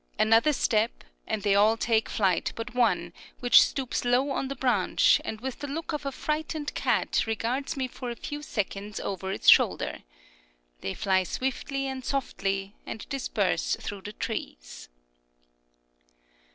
Another step, and they all take flight but one, which stoops low on the branch, and with the look of a frightened cat regards me for a few seconds over its shoulder. They fly swiftly and softly, and disperse through the trees.